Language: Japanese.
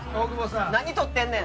何撮ってんねん！